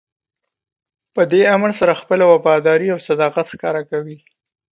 په دې امر سره خپله وفاداري او صداقت ښکاره کوئ.